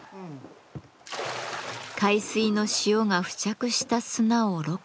海水の塩が付着した砂をろ過。